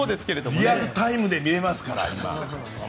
リアルタイムで見れますから、今。